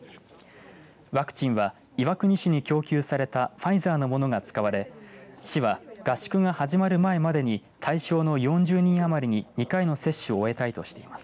ワクチンは岩国市に供給されたファイザーのものが使われ市は合宿が始まる前までに対象の４０人余りに２回の接種を終えたいとしています。